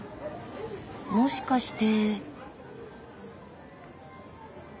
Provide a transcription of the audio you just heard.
もしかして。